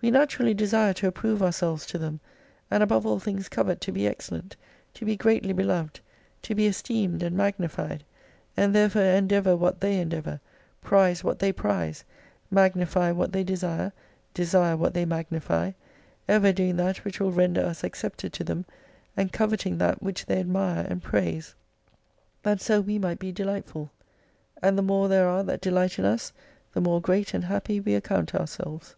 We naturally desire to approve ourselves to them, and above all things covet to be excellent, to be greatly be loved, to be esteemed, and magnified, and therefore endeavour what they endeavour, prize what they prize, magnify what they desire, desire what they magnify : ever doing that which will render us accepted to them ; and coveting that which they admire and praise, that 268 so we might be delightful. And the more there are that delight in us the more great and happy we account ourselves.